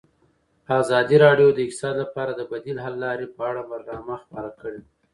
ازادي راډیو د اقتصاد لپاره د بدیل حل لارې په اړه برنامه خپاره کړې.